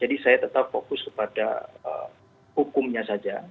jadi saya tetap fokus kepada hukumnya saja